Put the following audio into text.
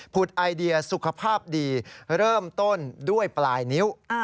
ไอเดียสุขภาพดีเริ่มต้นด้วยปลายนิ้ว